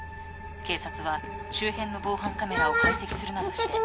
警察は周辺の防犯カメラを解析するなどして。